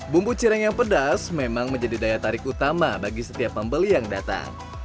bumbu cireng yang pedas memang menjadi daya tarik utama bagi setiap pembeli yang datang